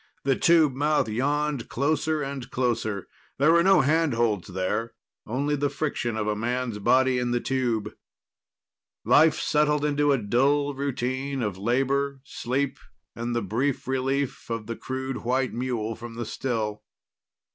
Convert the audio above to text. The tube mouth yawned closer and closer. There were no handholds there only the friction of a man's body in the tube. Life settled into a dull routine of labor, sleep, and the brief relief of the crude white mule from the still.